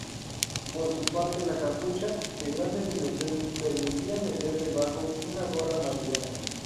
Por su parte la capucha, de grandes dimensiones, permitía meter debajo una gorra marinera.